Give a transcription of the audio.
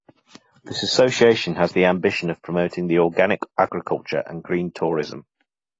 This association has the ambition of promoting the organic agriculture and green tourism.